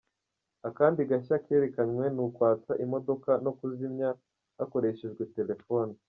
Akandi gashya kerekanywe ni ukwatsa imodoka no kuyizimya hakoreshejwe telefone.